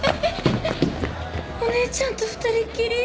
お姉ちゃんと２人っきり？